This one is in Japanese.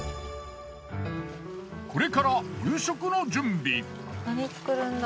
これから夕食の準備。